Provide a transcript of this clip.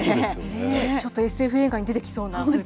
ちょっとＳＦ映画に出てきそうな。